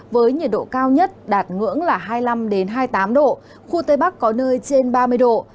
với nhiệt độ cao nhất đạt ngưỡng là hai mươi năm hai mươi tám độ khu tây bắc có nơi trên ba mươi độ